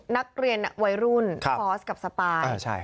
นักเรียนวัยรุ่นฟอร์สกับสปาย